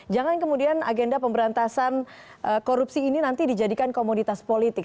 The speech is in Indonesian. jangan kemudian agenda pemberantasan korupsi ini nanti dijadikan komoditas politik